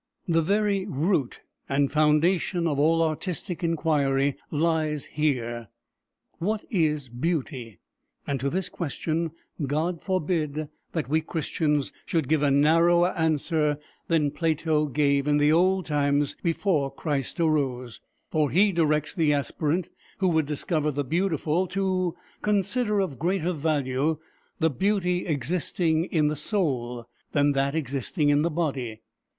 The very root and foundation of all artistic inquiry lies here. What is beauty? And to this question God forbid that we Christians should give a narrower answer than Plato gave in the old times before Christ arose, for he directs the aspirant who would discover the beautiful to "consider of greater value the beauty existing in the soul, than that existing in the body."